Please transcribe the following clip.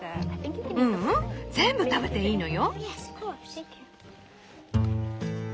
ううん全部食べていいのよ。